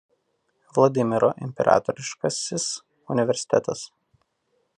Vladimiro imperatoriškasis universitetas.